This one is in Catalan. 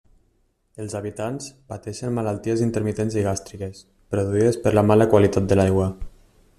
Els habitants pateixen malalties intermitents i gàstriques, produïdes per la mala qualitat de l'aigua.